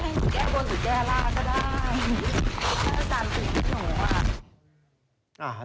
อะไรอาจารย์สูงใจถึงหนู